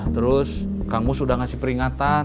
terus kang mus udah ngasih peringatan